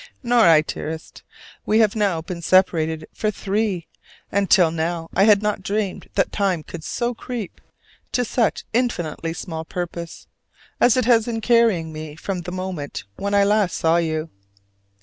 Nor I, dearest! We have now been separated for three; and till now I had not dreamed that time could so creep, to such infinitely small purpose, as it has in carrying me from the moment when I last saw you.